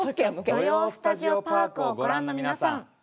「土曜スタジオパーク」をご覧の皆さん。